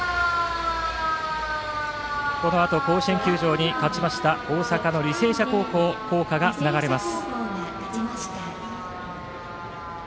このあと甲子園球場に勝ちました大阪・履正社高校の校歌が流れます。